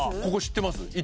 ここ知ってます。